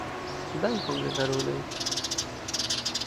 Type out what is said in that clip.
Dankon, gekaruloj.